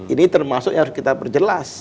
ini termasuk yang harus kita perjelas